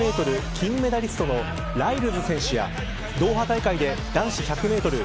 金メダリストのライルズ選手やドーハ大会で男子１００メートル